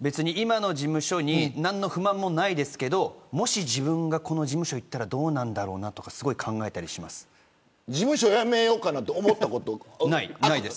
別に今の事務所に何の不満もないですけどもし自分がこの事務所に行ったらどうなんだろうとか事務所辞めようかなとないです。